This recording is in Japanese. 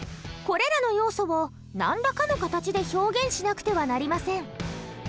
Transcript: これらの要素を何らかの形で表現しなくてはなりません。